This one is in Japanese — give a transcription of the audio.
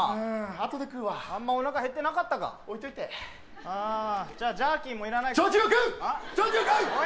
あとで食うわあんまおなか減ってなかったか置いといてじゃあジャーキーもいらないジャーキーは食う！